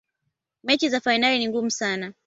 mechi za fainali ni ngumu sana